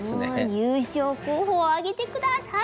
優勝候補を挙げて下さい！